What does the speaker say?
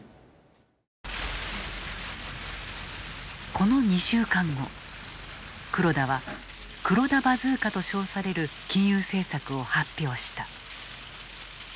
この２週間後黒田は黒田バズーカと称される金融政策を発表した。